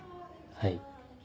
はい。